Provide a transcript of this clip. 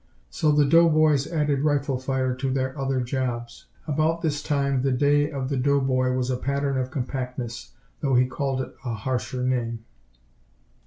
So the doughboys added rifle fire to their other jobs. About this time the day of the doughboy was a pattern of compactness, though he called it a harsher name.